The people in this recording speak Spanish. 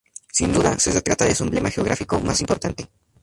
Sin duda, se trata de su emblema geográfico más importante.